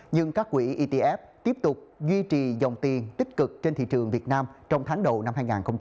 nhưng các quỹ etf tiếp tục duy trì dòng tiền tích cực trên thị trường việt nam trong tháng đầu năm hai nghìn hai mươi bốn